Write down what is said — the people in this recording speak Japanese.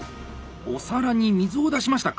お皿に水を出しましたか？